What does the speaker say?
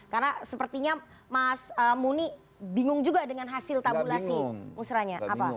karena sepertinya mas muni bingung juga dengan hasil tabulasi musrahnya